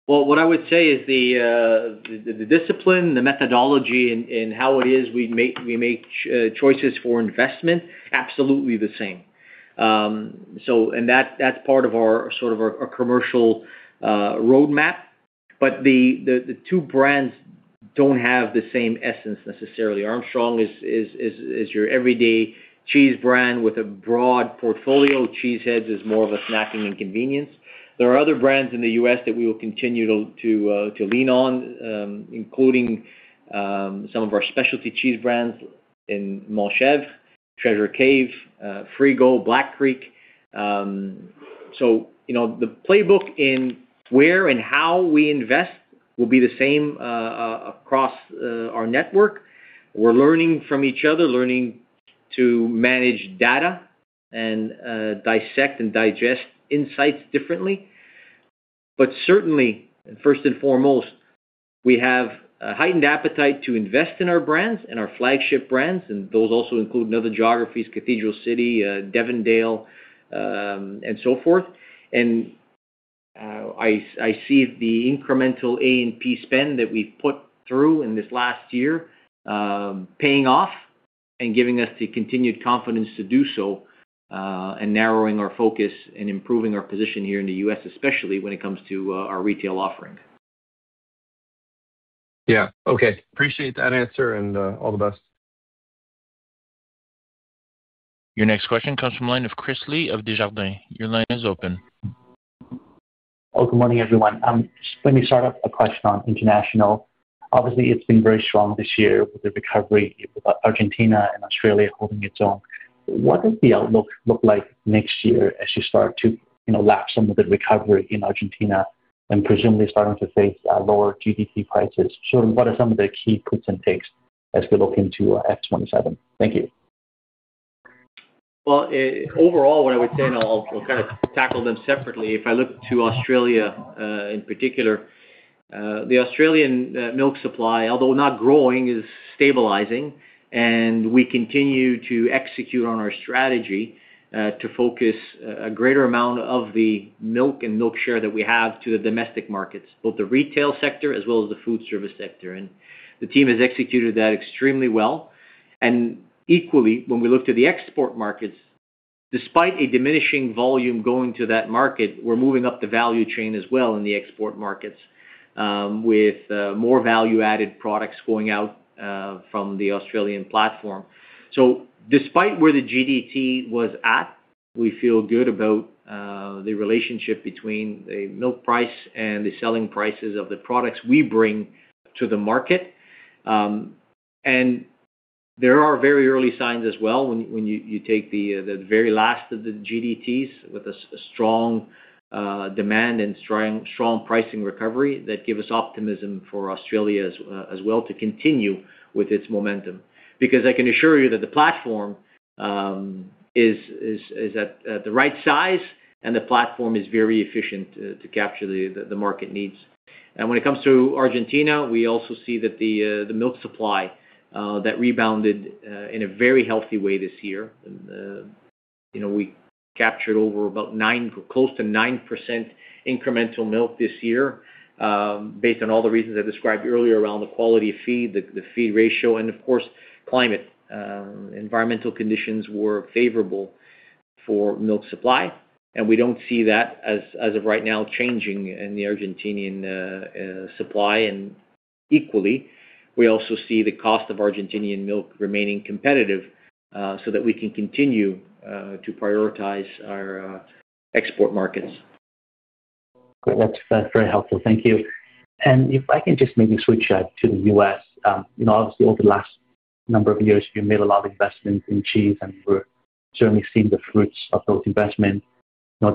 Well, what I would say is the discipline, the methodology, and how it is we make choices for investment, absolutely the same. That's part of sort of our commercial roadmap. But the two brands don't have the same essence necessarily. Armstrong is your everyday cheese brand with a broad portfolio. Cheese Heads is more of a snacking and convenience. There are other brands in the U.S. that we will continue to lean on, including some of our specialty cheese brands: Montchevre, Treasure Cave, Frigo, Black Creek. The playbook in where and how we invest will be the same across our network. We're learning from each other, learning to manage data and dissect and digest insights differently. But certainly, and first and foremost, we have a heightened appetite to invest in our brands and our flagship brands. Those also include other geographies: Cathedral City, Devondale, and so forth. I see the incremental A&P spend that we've put through in this last year paying off and giving us the continued confidence to do so and narrowing our focus and improving our position here in the U.S., especially when it comes to our retail offering. Yeah. Okay. Appreciate that answer, and all the best. Your next question comes from line of Chris Li of Desjardins. Your line is open. Well, good morning, everyone. Let me start with a question on international. Obviously, it's been very strong this year with the recovery, with Argentina and Australia holding its own. What does the outlook look like next year as you start to lap some of the recovery in Argentina and presumably starting to face lower GDT prices? So what are some of the key puts and takes as we look into F 2027? Thank you. Well, overall, what I would say, and I'll kind of tackle them separately, if I look to Australia in particular, the Australian milk supply, although not growing, is stabilizing. We continue to execute on our strategy to focus a greater amount of the milk and milk share that we have to the domestic markets, both the retail sector as well as the food service sector. The team has executed that extremely well. Equally, when we look to the export markets, despite a diminishing volume going to that market, we're moving up the value chain as well in the export markets with more value-added products going out from the Australian platform. So despite where the GDT was at, we feel good about the relationship between the milk price and the selling prices of the products we bring to the market. There are very early signs as well when you take the very last of the GDTs with a strong demand and strong pricing recovery that give us optimism for Australia as well to continue with its momentum because I can assure you that the platform is at the right size, and the platform is very efficient to capture the market needs. When it comes to Argentina, we also see that the milk supply that rebounded in a very healthy way this year. We captured close to 9% incremental milk this year based on all the reasons I described earlier around the quality of feed, the feed ratio, and of course, climate. Environmental conditions were favorable for milk supply. We don't see that, as of right now, changing in the Argentinian supply. Equally, we also see the cost of Argentinian milk remaining competitive so that we can continue to prioritize our export markets. Great. That's very helpful. Thank you. And if I can just maybe switch to the U.S., obviously, over the last number of years, you've made a lot of investments in cheese, and we're certainly seeing the fruits of those investments.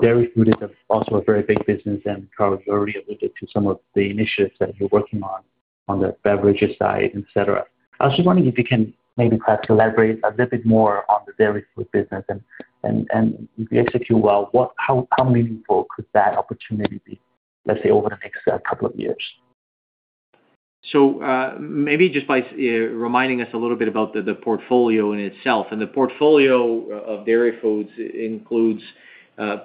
Dairy Foods is also a very big business, and Carl, you already alluded to some of the initiatives that you're working on on the beverages side, etc. I was just wondering if you can maybe perhaps elaborate a little bit more on the Dairy Foods business. And if you execute well, how meaningful could that opportunity be, let's say, over the next couple of years? So maybe just by reminding us a little bit about the portfolio in itself. And the portfolio of Dairy Foods includes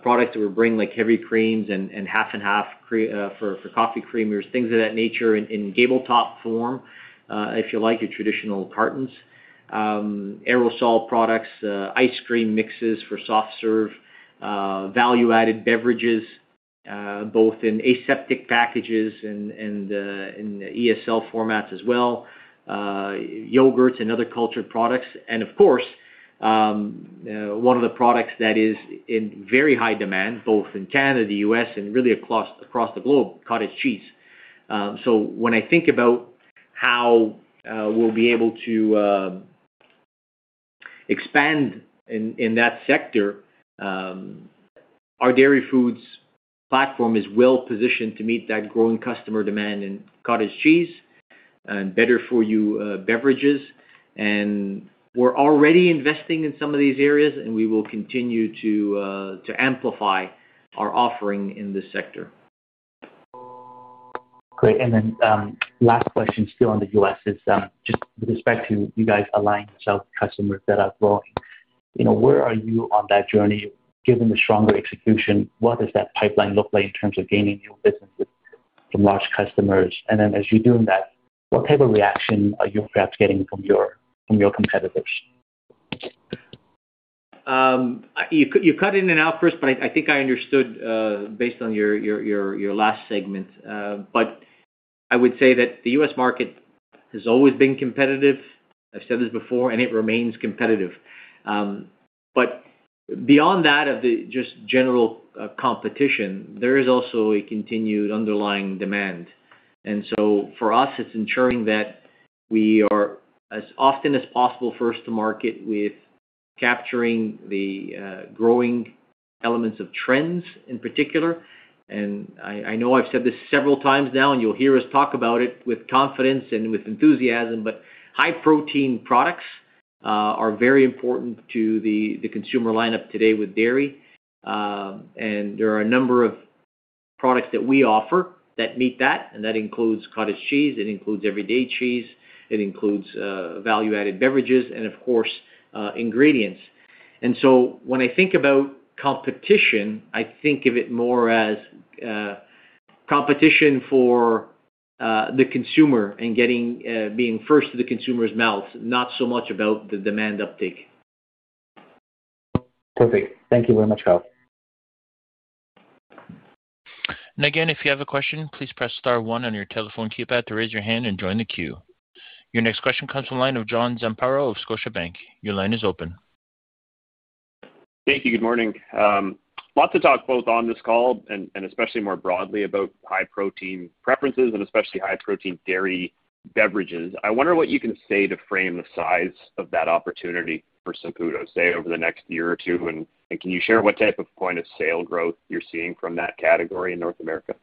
products that we bring like heavy creams and half-and-half for coffee creamers, things of that nature in gable-top form, if you like, your traditional cartons, aerosol products, ice cream mixes for soft serve, value-added beverages both in aseptic packages and in ESL formats as well, yogurts, and other cultured products. And of course, one of the products that is in very high demand both in Canada, the U.S., and really across the globe, cottage cheese. So when I think about how we'll be able to expand in that sector, our Dairy Foods platform is well-positioned to meet that growing customer demand in cottage cheese and better-for-you beverages. And we're already investing in some of these areas, and we will continue to amplify our offering in this sector. Great. And then last question still on the U.S. is just with respect to you guys aligning yourself with customers that are growing. Where are you on that journey? Given the stronger execution, what does that pipeline look like in terms of gaining new businesses from large customers? And then as you're doing that, what type of reaction are you perhaps getting from your competitors? You cut in and out first, but I think I understood based on your last segment. But I would say that the U.S. market has always been competitive. I've said this before, and it remains competitive. But beyond that of the just general competition, there is also a continued underlying demand. And so for us, it's ensuring that we are as often as possible first to market with capturing the growing elements of trends in particular. And I know I've said this several times now, and you'll hear us talk about it with confidence and with enthusiasm, but high-protein products are very important to the consumer lineup today with dairy. And there are a number of products that we offer that meet that. And that includes cottage cheese. It includes everyday cheese. It includes value-added beverages and, of course, ingredients. And so when I think about competition, I think of it more as competition for the consumer and being first to the consumer's mouths, not so much about the demand uptake. Perfect. Thank you very much, Carl. And again, if you have a question, please press star one on your telephone keypad to raise your hand and join the queue. Your next question comes from the line of John Zamparo of Scotiabank. Your line is open. Thank you. Good morning. Lots to talk both on this call and especially more broadly about high-protein preferences and especially high-protein dairy beverages. I wonder what you can say to frame the size of that opportunity for Saputo, say, over the next year or two. Can you share what type of point of sale growth you're seeing from that category in North America?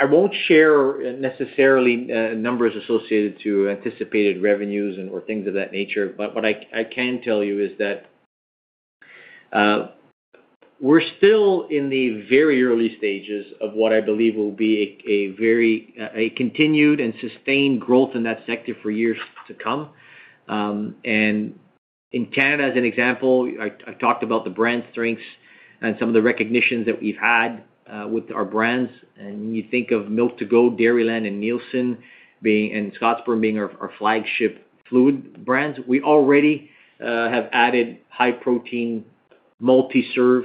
I won't share necessarily numbers associated to anticipated revenues or things of that nature. But what I can tell you is that we're still in the very early stages of what I believe will be a continued and sustained growth in that sector for years to come. In Canada, as an example, I've talked about the brand strengths and some of the recognitions that we've had with our brands. You think of Milk2Go, Dairyland, and Neilson and Scottsburn being our flagship fluid brands. We already have added high-protein multi-serve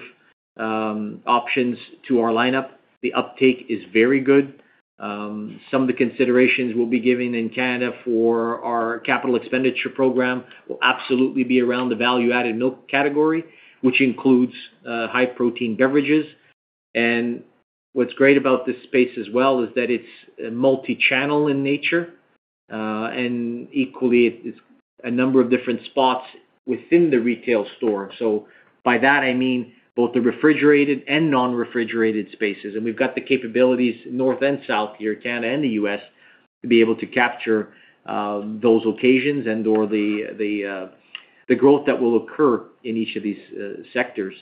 options to our lineup. The uptake is very good. Some of the considerations we'll be giving in Canada for our capital expenditure program will absolutely be around the value-added milk category, which includes high-protein beverages. What's great about this space as well is that it's multi-channel in nature. Equally, it's a number of different spots within the retail store. So by that, I mean both the refrigerated and non-refrigerated spaces. We've got the capabilities north and south here, Canada and the U.S., to be able to capture those occasions and/or the growth that will occur in each of these sectors.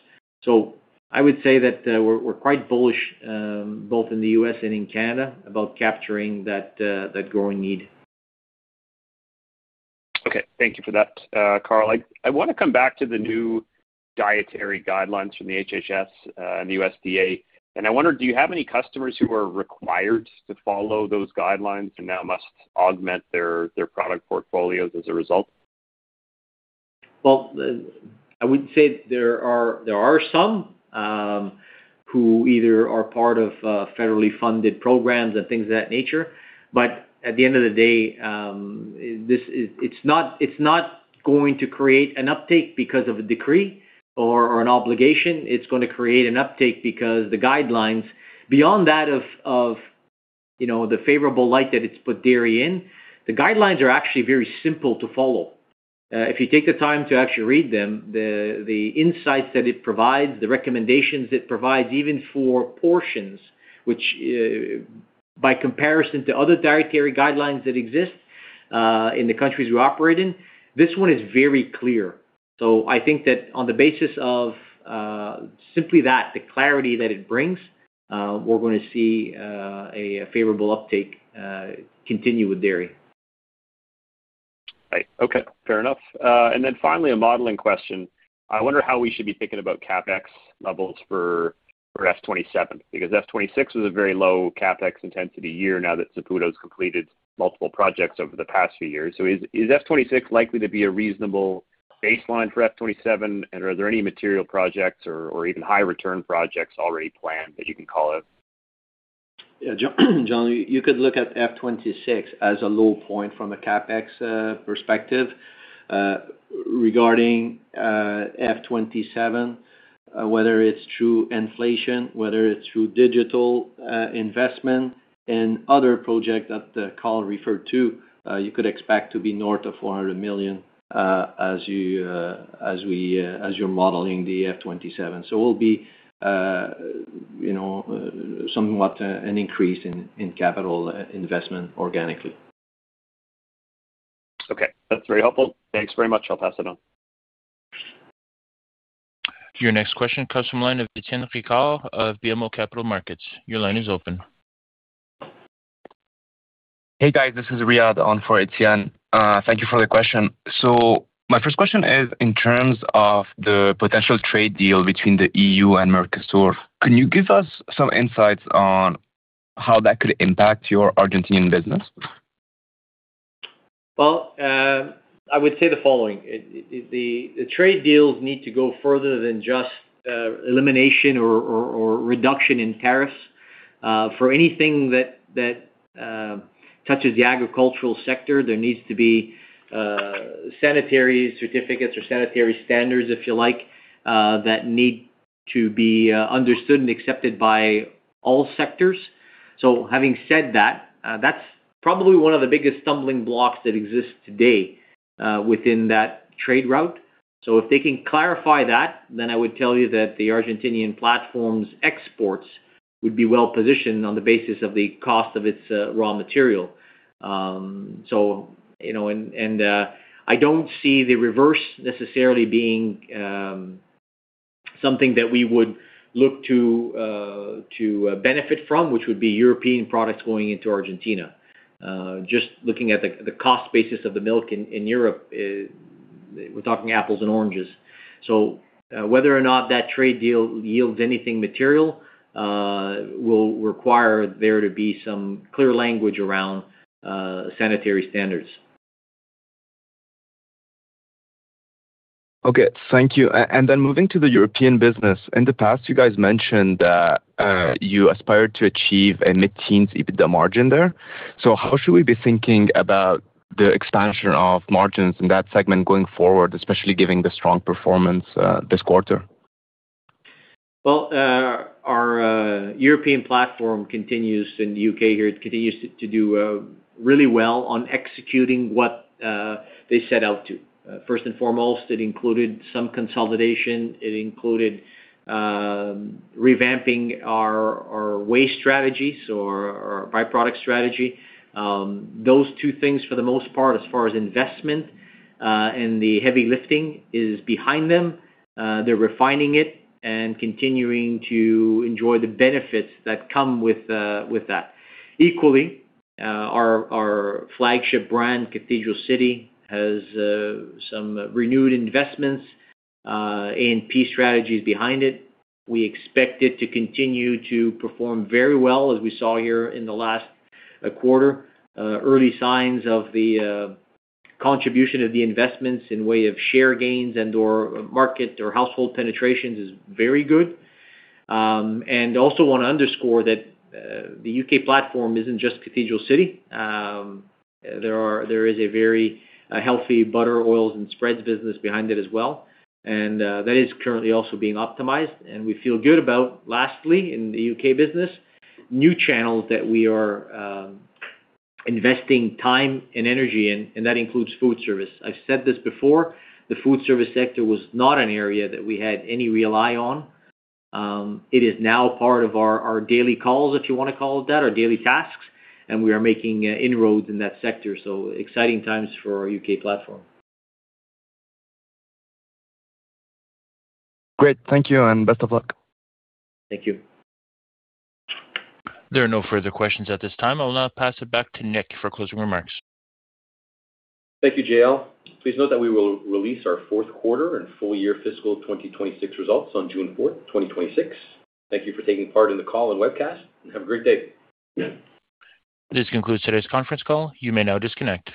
I would say that we're quite bullish both in the U.S. and in Canada about capturing that growing need. Okay. Thank you for that, Carl. I want to come back to the new dietary guidelines from the HHS and the USDA. I wonder, do you have any customers who are required to follow those guidelines and now must augment their product portfolios as a result? Well, I would say there are some who either are part of federally funded programs and things of that nature. But at the end of the day, it's not going to create an uptake because of a decree or an obligation. It's going to create an uptake because the guidelines, beyond that of the favorable light that it's put dairy in, the guidelines are actually very simple to follow. If you take the time to actually read them, the insights that it provides, the recommendations it provides, even for portions, which by comparison to other dietary guidelines that exist in the countries we operate in, this one is very clear. So I think that on the basis of simply that, the clarity that it brings, we're going to see a favorable uptake continue with dairy. Right. Okay. Fair enough. And then finally, a modeling question. I wonder how we should be thinking about CapEx levels for F 2027 because F 2026 was a very low CapEx intensity year now that Saputo has completed multiple projects over the past few years. So is F 2026 likely to be a reasonable baseline for F 2027? And are there any material projects or even high-return projects already planned that you can call out? Yeah. John, you could look at F 2026 as a low point from a CapEx perspective. Regarding F 2027, whether it's through inflation, whether it's through digital investment, and other projects that Carl referred to, you could expect to be north of 400 million as you're modeling the F 2027. So it will be somewhat an increase in capital investment organically. Okay. That's very helpful. Thanks very much. I'll pass it on. Your next question comes from the line of Étienne Ricard of BMO Capital Markets. Your line is open. Hey, guys. This is Riad on for Étienne. Thank you for the question. So my first question is in terms of the potential trade deal between the EU and Mercosur. Can you give us some insights on how that could impact your Argentinian business? Well, I would say the following. The trade deals need to go further than just elimination or reduction in tariffs. For anything that touches the agricultural sector, there needs to be sanitary certificates or sanitary standards, if you like, that need to be understood and accepted by all sectors. So having said that, that's probably one of the biggest stumbling blocks that exists today within that trade route. So if they can clarify that, then I would tell you that the Argentinian platform's exports would be well-positioned on the basis of the cost of its raw material. And I don't see the reverse necessarily being something that we would look to benefit from, which would be European products going into Argentina. Just looking at the cost basis of the milk in Europe, we're talking apples and oranges. Whether or not that trade deal yields anything material will require there to be some clear language around sanitary standards. Okay. Thank you. And then moving to the European business, in the past, you guys mentioned that you aspired to achieve a mid-teens EBITDA margin there. So how should we be thinking about the expansion of margins in that segment going forward, especially given the strong performance this quarter? Well, our European platform continues in the U.K. here. It continues to do really well on executing what they set out to. First and foremost, it included some consolidation. It included revamping our whey strategies or our byproduct strategy. Those two things, for the most part, as far as investment and the heavy lifting, is behind them. They're refining it and continuing to enjoy the benefits that come with that. Equally, our flagship brand, Cathedral City, has some renewed investments A&P strategies behind it. We expect it to continue to perform very well, as we saw here in the last quarter. Early signs of the contribution of the investments in way of share gains and/or market or household penetrations is very good. And also want to underscore that the U.K. platform isn't just Cathedral City. There is a very healthy butter, oils, and spreads business behind it as well. That is currently also being optimized. We feel good about, lastly, in the U.K. business, new channels that we are investing time and energy in. That includes food service. I've said this before. The food service sector was not an area that we had any real eye on. It is now part of our daily calls, if you want to call it that, or daily tasks. We are making inroads in that sector. Exciting times for our U.K. platform. Great. Thank you, and best of luck. Thank you. There are no further questions at this time. I will now pass it back to Nick for closing remarks. Thank you, Jale. Please note that we will release our fourth quarter and full-year fiscal 2026 results on June 4th, 2026. Thank you for taking part in the call and webcast, and have a great day. This concludes today's conference call. You may now disconnect.